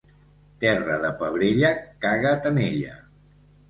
Terra de pebrella, caga't en ella.